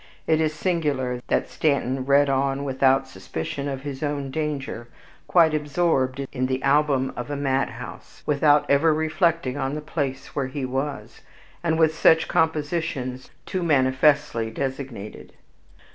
It is singular that Stanton read on without suspicion of his own danger, quite absorbed in the album of a madhouse, without ever reflecting on the place where he was, and which such compositions too manifestly designated.